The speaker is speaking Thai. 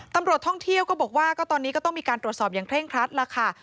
ตำรวจท่องเที่ยวก็บอกว่าก็ตอนนี้ก็ต้องมีการตรวจสอบอย่างเร่งครัดล่ะค่ะ